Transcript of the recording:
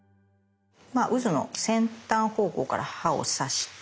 うずの先端方向から刃を刺して。